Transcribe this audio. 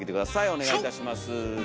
お願いいたします。